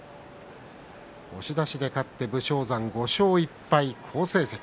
押し出しで勝って武将山５勝１敗、好成績。